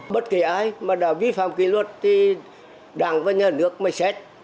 bất kỳ ai mà đã vi phạm kỷ luật thì đảng và nhà nước mới xét